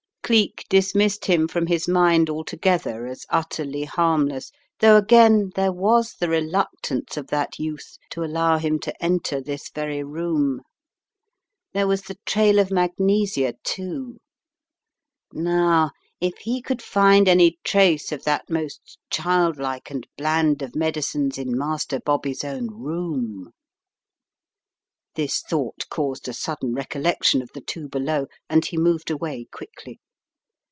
Cleek dismissed him from his mind alto gether as utterly harmless, though again there was the reluctance of that youth to allow him to enter this very room. There was the trail of magnesia, too. Now if he could find any trace of that most child like and bland of medicines in Master Bobby's own room This thought caused a sudden recol lection of the two below and he moved away quickly.